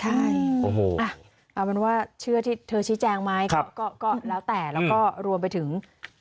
ใช่โอ้โหเอาเป็นว่าเชื่อที่เธอชี้แจงไหมก็แล้วแต่แล้วก็รวมไปถึง